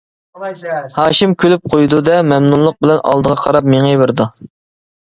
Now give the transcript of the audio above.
ھاشىم كۈلۈپ قويىدۇ دە مەمنۇنلۇق بىلەن ئالدىغا قاراپ مېڭىۋېرىدۇ.